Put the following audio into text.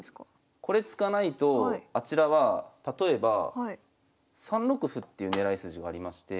これ突かないとあちらは例えば３六歩っていう狙い筋がありまして。